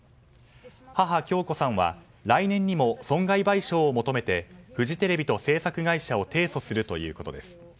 母・響子さんは来年にも損害賠償を求めてフジテレビと制作会社を提訴するということです。